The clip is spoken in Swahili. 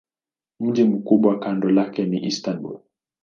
Mji mkubwa kando lake ni Istanbul.